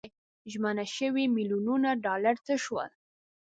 ژمنه شوي میلیونونه ډالر څه شول.